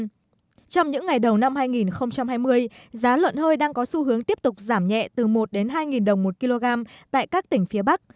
trong những ngày đầu năm hai nghìn hai mươi giá lợn hơi đang có xu hướng tiếp tục giảm nhẹ từ một hai đồng một kg tại các tỉnh phía bắc